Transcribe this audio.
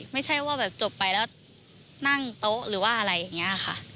ไม่ใช่ว่าแบบจบไปแล้วนั่งโต๊ะหรือว่าอะไรอย่างนี้ค่ะ